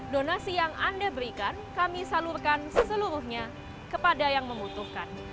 donasi yang anda berikan kami salurkan seseluruhnya kepada yang membutuhkan